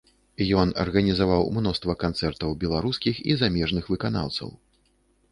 Ён арганізаваў мноства канцэртаў беларускіх і замежных выканаўцаў.